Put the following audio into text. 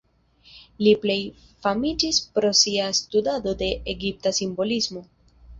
Li plej famiĝis pro sia studado de egipta simbolismo.